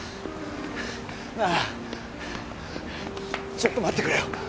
ちょっと待ってくれよ